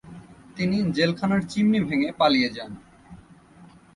তিনি জেলখানার চিমনি ভেঙ্গে পালিয়ে যান।